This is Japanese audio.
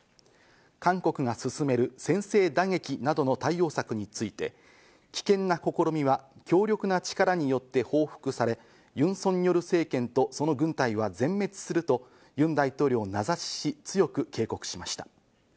韓国が進める先制打撃などの対応策について、危険な試みは強力な力によって報復されユン・ソンニョル政権とその軍隊は全滅するとユン大統領を名指しし強く警告しました。